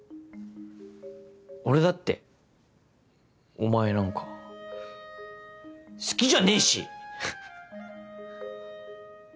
俺だってお前なんか好きじゃねえし！